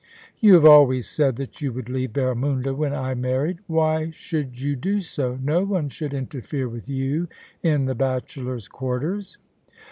* You have always said that you would leave Barramunda when I married. Why should you do so ? No one should interfere with you in the Bachelors* Quarters.'